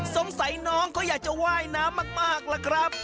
สงสัยน้องเขาอยากจะว่ายน้ำมากล่ะครับ